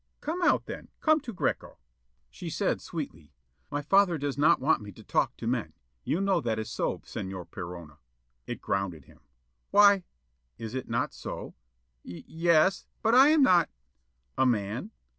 "Come out then. Come to Greko." She said sweetly. "My father does not want me to talk to men. You know that is so, Señor Perona." It grounded him. "Why " "Is it not so?" "Y yes, but I am not " "A man?"